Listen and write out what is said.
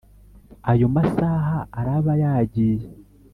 ayo masaha araba yagiye